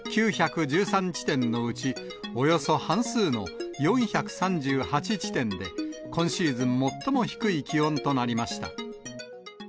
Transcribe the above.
９１３地点のうち、およそ半数の４３８地点で、今シーズン最も低い気温となりました。